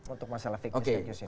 untuk masalah fake news ini